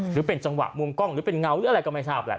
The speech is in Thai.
หรือเป็นจังหวะมุมกล้องหรือเป็นเงาหรืออะไรก็ไม่ทราบแหละ